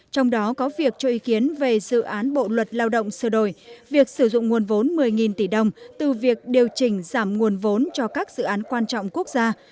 trong đó có việc cho ý kiến về dự án bộ luật lao động sửa đổi việc sử dụng nguồn vốn một mươi tỷ đồng từ việc điều chỉnh giảm nguồn vốn cho các dự án quan trọng quốc gia